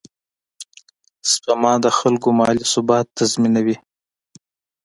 سپما د خلکو مالي ثبات تضمینوي.